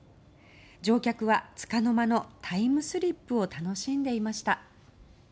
乗客はつかの間のタイムスリップを楽しんでいました。